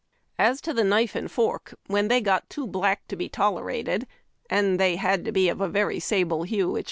As to the knife and fork, when they got too black to be tolerated — and they had to be of a very sable hue, it.